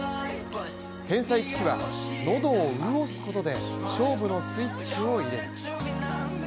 天才棋士は喉を潤すことで勝負のスイッチを入れる。